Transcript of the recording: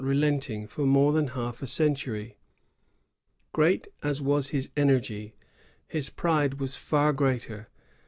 relenting for more than half a century. Great as was his energy, his pride was far greater.